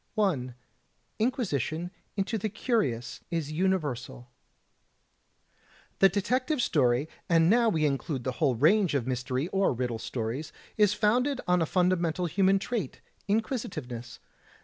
J. Inquisition into the Curious is Universal The detective story, and now we include the whole range of mystery or riddle stories, is founded on a fundamental human trait, inquisitiveness.